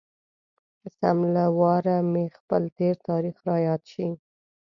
سم له واره مې خپل تېر تاريخ را یاد شي.